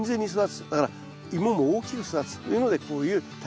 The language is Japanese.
だからイモも大きく育つというのでこういう高畝を作ってますね。